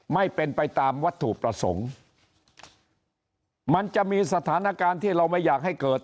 ไม่เป็นไปตามวัตถุประสงค์มันจะมีสถานการณ์ที่เราไม่อยากให้เกิด